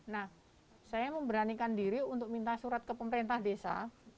nah saya memberanikan diri untuk minta surat ke pemerintah desa